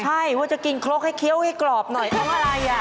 ใช่ว่าจะกินโคลกให้เคี้ยวให้กรอบหน่อยเอาอะไร